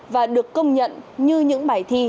và được công nhận như những bài thi